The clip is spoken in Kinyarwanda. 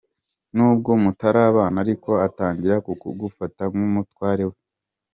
Nubwo mutarabana ariko atangira kukugufata nk’umutware we.